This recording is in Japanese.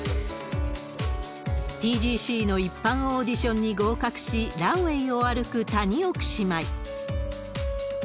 ＴＧＣの一般オーディションに合格し、ランウエーを歩く谷奥姉妹。